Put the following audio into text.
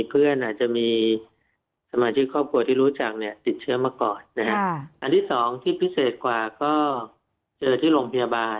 เพราะว่ามีโอกาสเจอทั้งผู้ป่วยที่อยู่ในชุมชนนะครับ